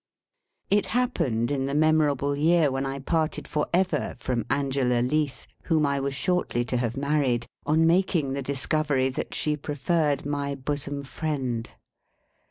It happened in the memorable year when I parted for ever from Angela Leath, whom I was shortly to have married, on making the discovery that she preferred my bosom friend.